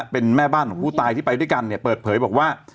เป็นแม่บ้านของผู้ตายที่ไปด้วยกันเนี่ยเปิดเผยบอกว่า